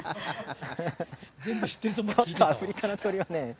全部知ってると思って聞いてアフリカの鳥はね。